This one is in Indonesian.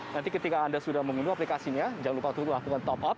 nanti ketika anda sudah mengunduh aplikasinya jangan lupa lakukan top up